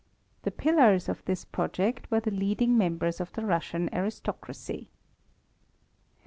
The pillars of this project were the leading members of the Russian aristocracy.